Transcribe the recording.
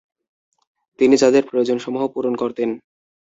তিনি তাদের প্রয়োজনসমূহ পূরণ করতেন।